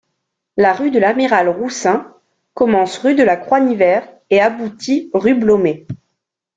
La rue de l'Amiral-Roussin commence rue de la Croix-Nivert et aboutit rue Blomet.